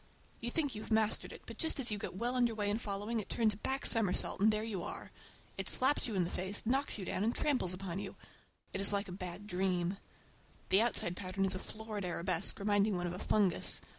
You think you have mastered it, but just as you get well under way in following, it turns a back somersault and there you are. It slaps you in the face, knocks you down, and tramples upon you. It is like a bad dream. The outside pattern is a florid arabesque, reminding one of a fungus.